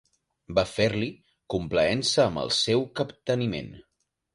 Va fer-li complaença amb el seu capteniment.